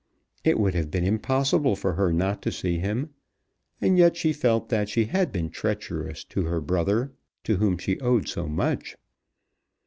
It would have been impossible for her not to see him; and yet she felt that she had been treacherous to her brother, to whom she owed so much!